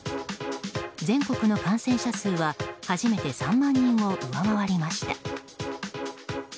全国の感染者数は初めて３万人を上回りました。